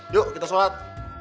yuk kita sholat